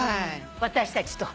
私たちと。